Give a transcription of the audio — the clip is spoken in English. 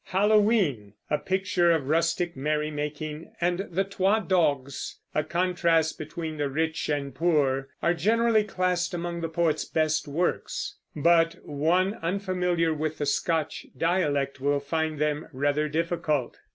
"Halloween," a picture of rustic merrymaking, and "The Twa Dogs" a contrast between the rich and poor, are generally classed among the poet's best works; but one unfamiliar with the Scotch dialect will find them rather difficult.